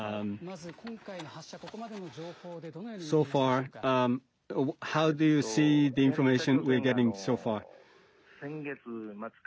まず今回の発射、ここまでの情報でどのように見ていますでしょうか。